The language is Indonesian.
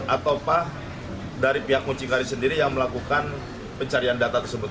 atau pak dari pihak mucikari sendiri yang melakukan pencarian data tersebut